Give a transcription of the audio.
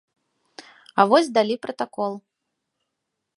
А вось далі пратакол.